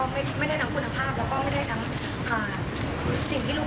ซึ่งคนที่ไม่รู้ก็อาจจะรู้ว่าเป็นของเดียวกันจริง